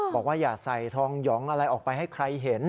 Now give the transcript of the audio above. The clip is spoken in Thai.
บอกว่าอย่าใส่ทองหยองอะไรออกไปให้ใครเห็น